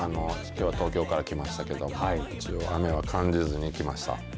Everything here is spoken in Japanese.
東京から来ましたけれども雨は感じずに来ました。